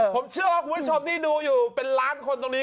ผมเชื่อว่าคุณผู้ชมที่ดูอยู่เป็นล้านคนตรงนี้